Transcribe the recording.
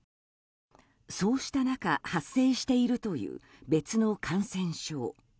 そうした中、発生しているという別の感染症。